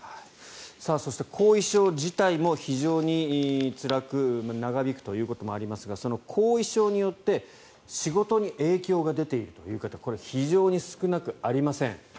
そして、後遺症自体も非常につらく長引くということもありますがその後遺症によって仕事に影響が出ているという方これ、非常に少なくありません。